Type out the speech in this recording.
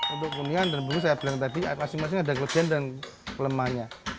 untuk kuningan dan perunggu saya bilang tadi masing masing ada kelebihan dan kelemahannya